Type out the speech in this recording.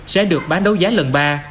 sẽ được bán đấu giá lần ba